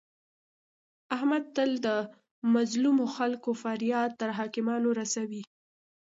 احمد تل د مظلمو خلکو فریاد تر حاکمانو رسوي.